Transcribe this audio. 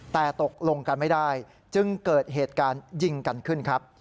แต่ตกลงกันไม่ได้จึงเกิดเหตุการณ์ยิงกันขึ้นครับ